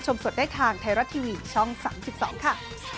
ใช่ค่ะ